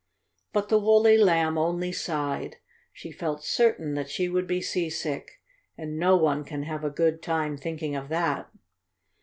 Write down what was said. But the woolly Lamb only sighed. She felt certain that she would be seasick, and no one can have a good time thinking of that.